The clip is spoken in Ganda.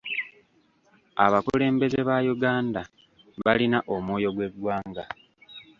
Abakulembeze ba Uganda balina omwoyo gw'eggwanga.